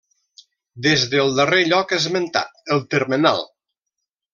Des del darrer lloc esmentat, el termenal.